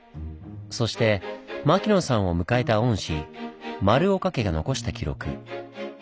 そして牧野さんを迎えた御師丸岡家が残した記録。